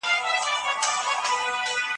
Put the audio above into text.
ما درته ویل چي په اغیار اعتبار مه کوه